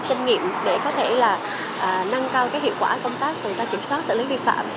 kinh nghiệm để có thể là nâng cao cái hiệu quả công tác của người ta kiểm soát xử lý vi phạm